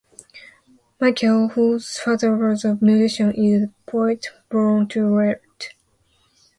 Michel, whose father was a musician, is a poet born too late.